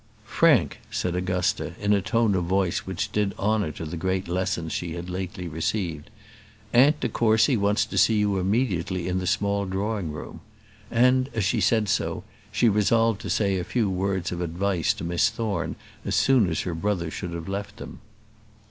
"Frank," said Augusta, in a tone of voice which did honour to the great lessons she had lately received. "Aunt de Courcy wants to see you immediately in the small drawing room;" and, as she said so, she resolved to say a few words of advice to Miss Thorne as soon as her brother should have left them.